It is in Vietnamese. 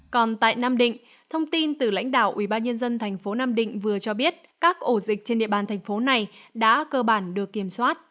còn tại nam định thông tin từ lãnh đạo ubnd tp nam định vừa cho biết các ổ dịch trên địa bàn thành phố này đã cơ bản được kiểm soát